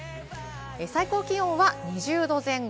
最高気温は２０度前後。